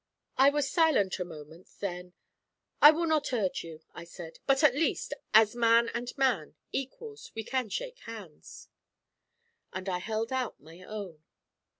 I was silent a moment, then 'I will not urge you,' I said; 'but at least, as man and man, equals, we can shake bands.' And I held out my own.